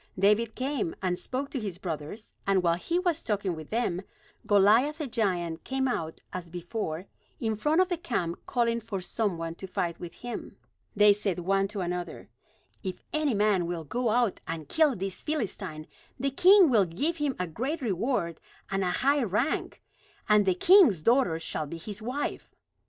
David came, and spoke to his brothers; and while he was talking with them, Goliath the giant came out as before in front of the camp calling for some one to fight with him. They said one to another: "If any man will go out and kill this Philistine, the king will give him a great reward and a high rank; and the king's daughter shall be his wife."